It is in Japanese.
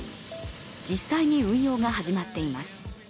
実際に運用が始まっています。